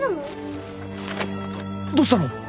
どうしたの？